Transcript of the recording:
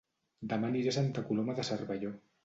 Dema aniré a Santa Coloma de Cervelló